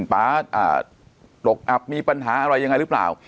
ป๊าตกอับมีปัญหาอะไรยังไงหรือเปล่า